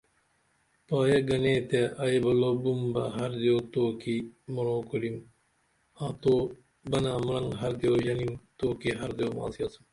پائییہ گنے تے ائی بلو بُم بہ ہر دیو تو کی مروں کُریم آں تو بنہ مرنگ ہر دیو ژنیم توکی ہر دیو ماس گیاڅم